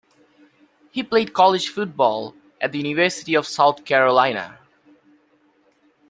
He played college football at the University of South Carolina.